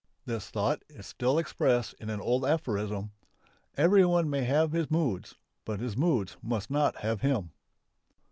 This thought is still expressed in an old aphorism. "Everyone may have his moods; but his moods must not have him."